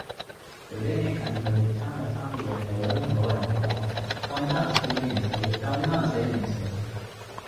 除非你近距離三日三夜係咁同個個人講：咁多人死你唔死，咁多人死你唔死